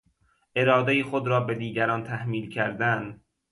ارادهی خود را به دیگران تحمیل کردن